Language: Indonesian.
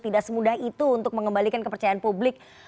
tidak semudah itu untuk mengembalikan kepercayaan publik